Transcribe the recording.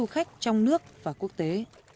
khách trong nước và quốc tế